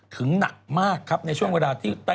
หนักมากครับในช่วงเวลาที่